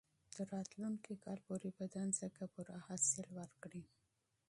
تر راتلونکي کال پورې به دا ځمکه پوره حاصل ورکړي.